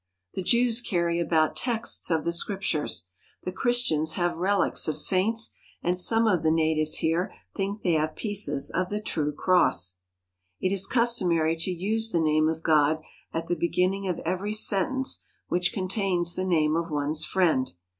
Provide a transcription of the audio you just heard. The Jews carry about texts of the Scriptures. The Christians have relics of saints, and some of the natives here think they have pieces of the true cross. It is customary to use the name of God at the begin ning of every sentence which contains the name of one's friend.